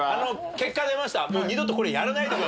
結果出ました。